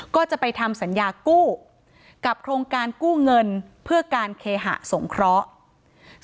ก็จะไปทำสัญญากู้กับโครงการกู้เงินเพื่อการเคหะสงเคราะห์